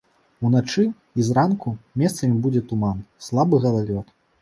Уначы і зранку месцамі будзе туман, слабы галалёд.